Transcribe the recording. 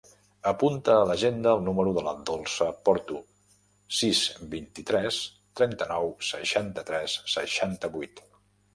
Apunta a l'agenda el número de la Dolça Porto: sis, vint-i-tres, trenta-nou, seixanta-tres, seixanta-vuit.